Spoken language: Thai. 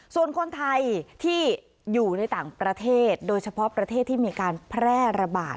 ส่วนคนไทยที่อยู่ในต่างประเทศโดยเฉพาะประเทศที่มีการแพร่ระบาด